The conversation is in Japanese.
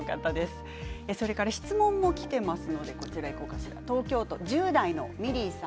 質問もきています。